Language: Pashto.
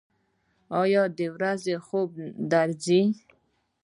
ایا د ورځې خوب درځي؟